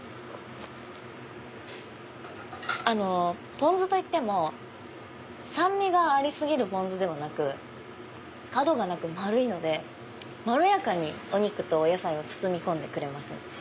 ポン酢といっても酸味があり過ぎるポン酢ではなく角がなく丸いのでまろやかにお肉とお野菜を包み込んでくれますね。